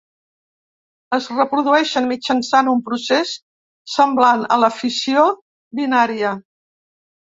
Es reprodueixen mitjançant un procés semblant a la fissió binària.